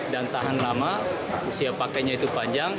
dan tahan lama usia pakainya itu panjang